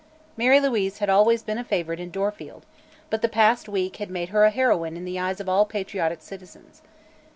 Mary Louise had always been a favorite in Dorfield, but the past week had made her a heroine in the eyes of all patriotic citizens.